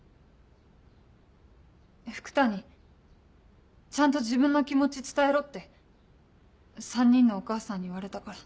福多にちゃんと自分の気持ち伝えろって３人のお母さんに言われたから。